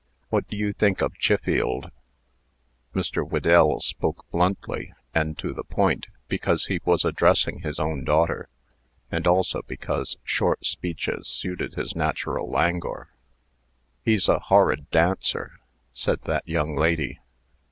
What do you think of Chiffield?" Mr. Whedell spoke bluntly, and to the point, because he was addressing his own daughter, and also because short speeches suited his natural languor. "He's a horrid dancer!" said that young lady.